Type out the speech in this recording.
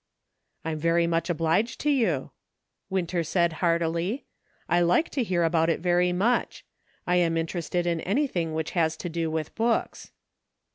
" I am very much obliged to you," Winter said heartily ;" I like to hear about it very much ; I am interested in anything which has to do with books."